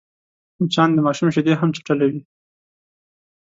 مچان د ماشوم شیدې هم چټلوي